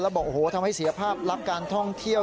แล้วบอกโอ้โหทำให้เสียภาพรับการท่องเที่ยว